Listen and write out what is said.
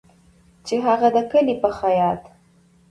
چې هغه د کلي په خیاط